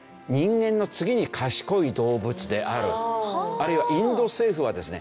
あるいはインド政府はですね